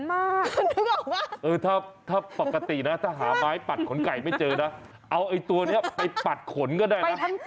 ไม้ปัดขนไก่ไม่เจอนะเอาไอ้ตัวนี้ไปปัดขนก็ได้นะ